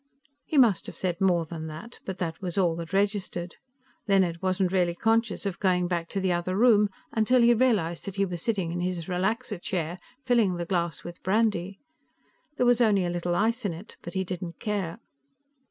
He must have said more than that, but that was all that registered. Leonard wasn't really conscious of going back to the other room, until he realized that he was sitting in his relaxer chair, filling the glass with brandy. There was only a little ice in it, but he didn't care.